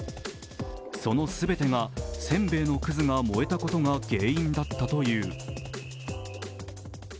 その全てが煎餅のくずが燃えたことが原因だったという。